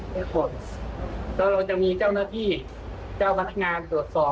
แล้วตอนนี้จะมีเจ้าหน้าพี่เจ้ารัฐงานดูดสอบ